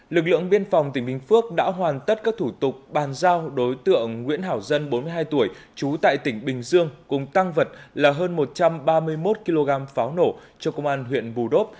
lực lượng biên phòng tỉnh bình phước đã hoàn tất các thủ tục bàn giao đối tượng nguyễn hảo dân bốn mươi hai tuổi trú tại tỉnh bình dương cùng tăng vật là hơn một trăm ba mươi một kg pháo nổ cho công an huyện bù đốp